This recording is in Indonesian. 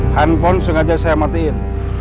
handphone sengaja saya matiin